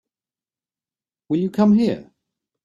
Will you come here?